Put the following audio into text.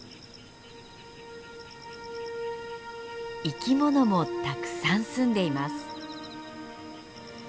生き物もたくさん住んでいます。